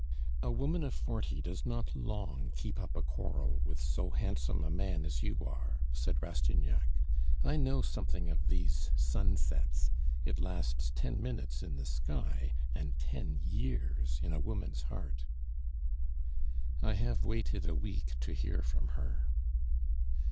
"A woman of forty does not long keep up a quarrel with so handsome a man as you are," said Rastignac. "I know something of these sunsets. It lasts ten minutes in the sky, and ten years in a woman's heart." "I have waited a week to hear from her."